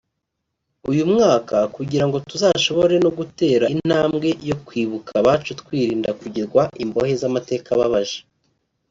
uyu mwaka kugira ngo tuzashobore no gutera intambwe yo kwibuka abacu twirinda kugirwa imbohe z’amateka ababaje